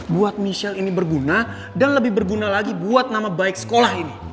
buat michelle ini berguna dan lebih berguna lagi buat nama baik sekolah ini